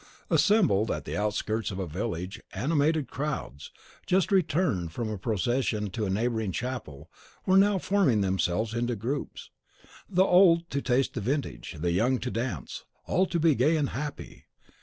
Assembled at the outskirts of a village, animated crowds, just returned from a procession to a neighbouring chapel, were now forming themselves into groups: the old to taste the vintage, the young to dance, all to be gay and happy.